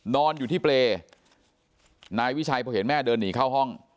นอนอยู่ที่เปรย์นายวิชัยพอเห็นแม่เดินหนีเข้าห้อง